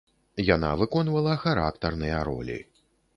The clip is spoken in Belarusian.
Яна выконвала характарныя ролі.